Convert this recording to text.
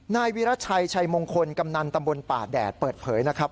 นายวิราชัยชัยมงคลกำนันตำบลป่าแดดเปิดเผยนะครับ